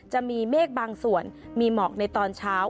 จะมีเมฆบางส่วนมีหมอกในตอนเช้า